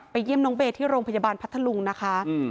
เยี่ยมน้องเบย์ที่โรงพยาบาลพัทธลุงนะคะ